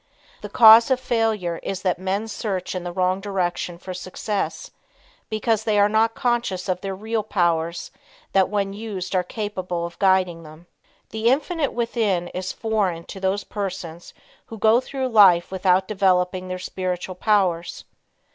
The cause of failure is that men search in the wrong direction for success, because they are not conscious of their real powers that when used are capable of guiding them. The Infinite within is foreign to those persons who go through life without developing their spiritual powers.